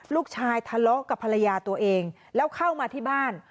ทะเลาะกับภรรยาตัวเองแล้วเข้ามาที่บ้าน